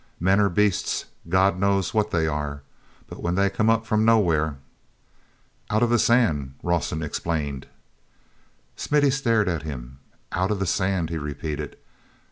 "Men or beasts—God knows what they are!—but when they come up from nowhere—" "Out of the sand," Rawson explained. Smithy stared at him. "Out of the sand," he repeated.